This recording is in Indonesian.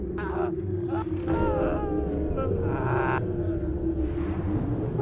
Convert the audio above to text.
tidak ada yang boleh bikin gue datang